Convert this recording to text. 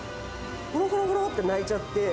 ほろほろほろって泣いちゃって。